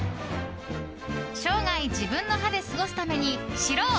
生涯、自分の歯で過ごすために知ろう！